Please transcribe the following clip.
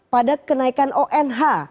pada kenaikan onh